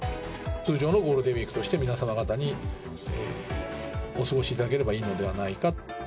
通常のゴールデンウィークとして、皆様方にお過ごしいただければいいのではないか。